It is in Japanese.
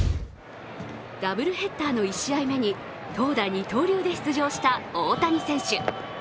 ダブルヘッダーの１試合目に投打二刀流で出場した大谷選手。